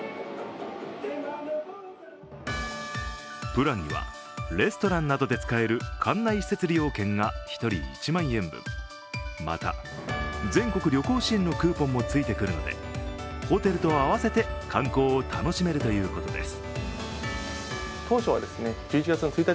プランには、レストランなどで使える館内施設利用券が１人１万円分、また、全国旅行支援のクーポンもついてくるので、ホテルと合わせて観光を楽しめるということです。